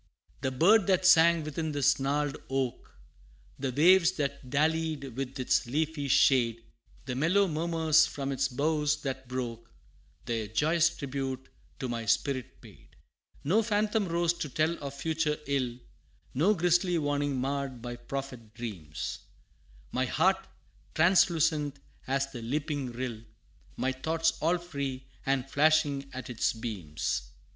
The bird that sang within this gnarled oak, The waves that dallied with its leafy shade, The mellow murmurs from its boughs that broke, Their joyous tribute to my spirit paid. No phantom rose to tell of future ill, No grisly warning marr'd my prophet dreams My heart translucent as the leaping rill, My thoughts all free and flashing at its beams.